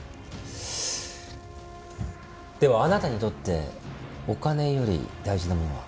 ではあなたにとってお金より大事なものは？